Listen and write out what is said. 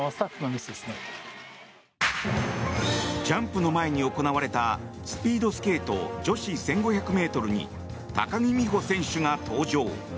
ジャンプの前に行われたスピードスケート女子１５００ｍに高木美帆選手が登場。